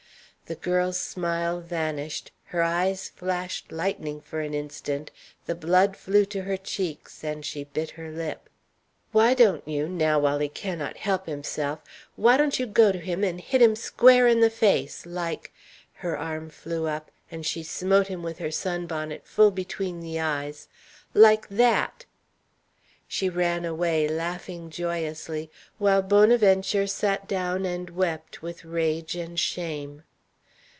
The girl's smile vanished; her eyes flashed lightning for an instant; the blood flew to her cheeks, and she bit her lip. "Why don't you, now while he cannot help himself why don't you go to him and hit him square in the face, like" her arm flew up, and she smote him with her sunbonnet full between the eyes "like that!" She ran away, laughing joyously, while Bonaventure sat down and wept with rage and shame.